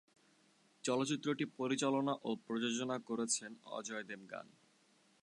চলচ্চিত্রটি পরিচালনা ও প্রযোজনা করেছেন অজয় দেবগন।